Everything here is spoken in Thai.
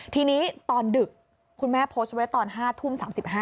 ทีนี้ตอนดึกคุณแม่โพสต์ไว้ตอน๕ทุ่ม๓๕